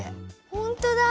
ほんとだ！